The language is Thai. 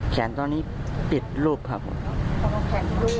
แขนตอนนี้ติดลูกครับผม